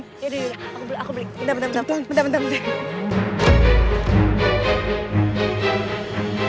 yaudah yuk aku beli